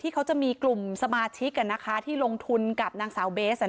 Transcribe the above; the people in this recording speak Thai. เขาจะมีกลุ่มสมาชิกที่ลงทุนกับนางสาวเบส